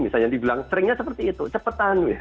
misalnya dibilang seringnya seperti itu cepetan